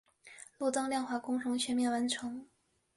路灯亮化工程全面完成。